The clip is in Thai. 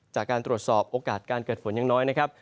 จากการตรวจสอบโอกาสการเกิดฝนยังน้อยนะครับ